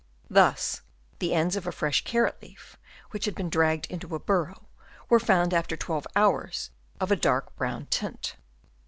Thus the ends of a fresh carrot leaf, which had been dragged into a burrow, were found after twelve hours of a dark brown tint.